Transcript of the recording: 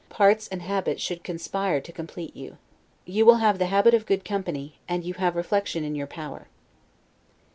Parts and habit should conspire to complete you. You will have the habit of good company, and you have reflection in your power.